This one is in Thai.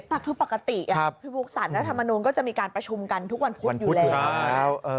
แต่คือปกติพี่บุ๊คสารรัฐมนูลก็จะมีการประชุมกันทุกวันพุธอยู่แล้ว